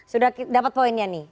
sudah dapat poinnya nih